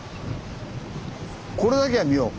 これだけは見よう。